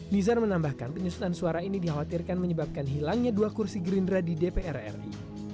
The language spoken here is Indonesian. nizar menambahkan penyusunan suara ini dikhawatirkan menyebabkan hilangnya dua kursi gerindra di dpr ri